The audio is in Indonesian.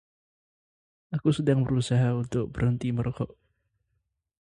Aku sedang berusaha untuk berhenti merokok.